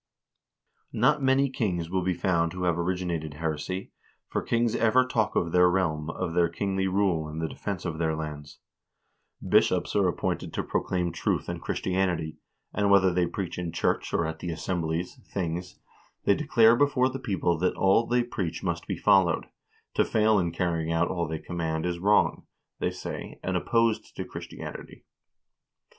"Not many kings will be found who have originated heresy, for kings ever talk of their realm, of their kingly rule, and the defense of their lands. Bishops are appointed to proclaim truth and Chris tianity, and whether they preach in church, or at the assemblies 404 HISTORY OF THE NORWEGIAN PEOPLE (things), they declare before the people that all they preach must be followed ; to fail in carrying out all they command is wrong, they say, and opposed to Christianity.